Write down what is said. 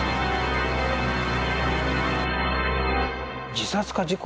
自殺か事故？